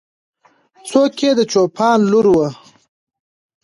څوک یې د چوپان لور وه؟